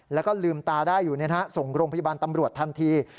แล้วก็ลืมตาได้อยู่ส่งโรงพยาบาลตำรวจทันที